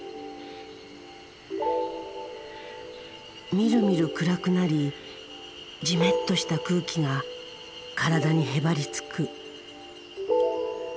みるみる暗くなりじめっとした空気が体にへばりつく。